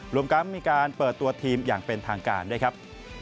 รวมทั้งมีการเปิดตัวทีมอย่างเป็นทางการด้วยครับ